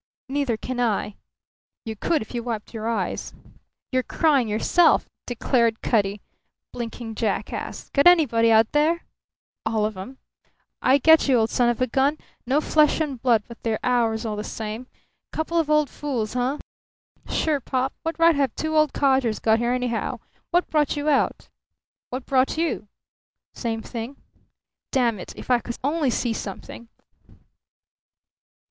"Neither can I." "You could if you wiped your eyes." "You're crying yourself," declared Cutty. "Blinking jackass! Got anybody out there?" "All of 'em." "I get you, old son of a gun! No flesh and blood, but they're ours all the same. Couple of old fools; huh?" "Sure pop! What right have two old codgers got here, anyhow? What brought you out?" "What brought you?" "Same thing." "Damn it! If I could only see something!"